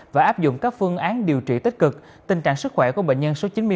và áp dụng các phương án điều trị tích cực tình trạng sức khỏe của bệnh nhân số chín mươi ba